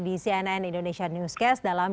di cnn indonesia newscast dalam